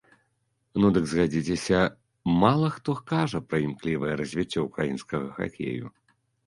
Ну дык, згадзіцеся, мала хто кажа пра імклівае развіццё ўкраінскага хакею.